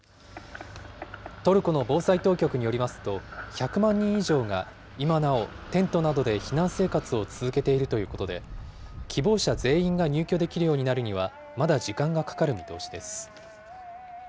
トルコの防災当局によりますと、１００万人以上が今なおテントなどで避難生活を続けているということで、希望者全員が入居できるようになるにはまだ時間がかかる見通しです。